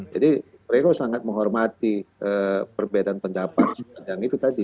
jadi beliau sangat menghormati perbedaan pendapat sepanjang itu tadi